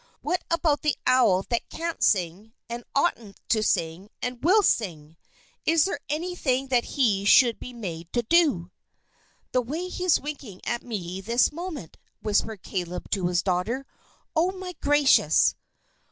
"What about the owl that can't sing, and oughtn't to sing, and will sing. Is there anything that he should be made to do?" "The way he's winking at me this moment!" whispered Caleb to his daughter. "Oh, my gracious!"